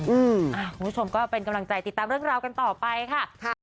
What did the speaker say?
คุณผู้ชมก็เป็นกำลังใจติดตามเรื่องราวกันต่อไปค่ะ